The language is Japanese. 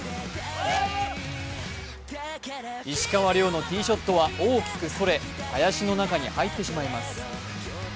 石川遼のティーショットは大きくそれ林の中に入ってしまいます。